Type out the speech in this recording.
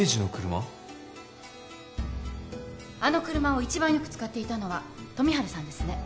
あの車を一番よく使っていたのは富治さんですね。